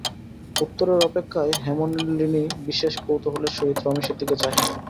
উত্তরের অপেক্ষায় হেমনলিনী বিশেষ কৌতূহলের সহিত রমেশের দিকে চাহিল।